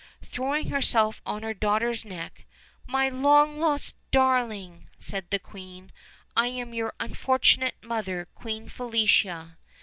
Throwing herself on her daughter's neck: "My long lost darling," said the. queen. "I am your unfortunate mother, Queen Felicia."